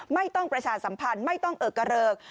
ไม่ต้องประชาสัมพันธ์ไม่ต้องเอิกระเลิก